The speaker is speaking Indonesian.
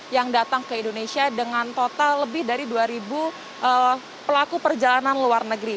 yang datang ke indonesia dengan total lebih dari dua ribu pelaku perjalanan luar negeri